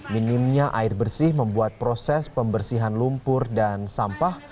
minimnya air bersih membuat proses pembersihan lumpur dan sampah